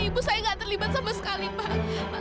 ibu saya nggak terlibat sama sekali pak